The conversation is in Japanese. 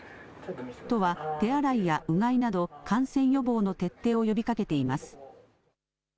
都は手洗いやうがいなど感染予防の徹底を呼びかけています。